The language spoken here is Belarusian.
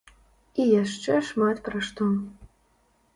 І яшчэ шмат пра што.